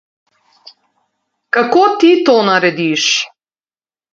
Kako ti to narediš?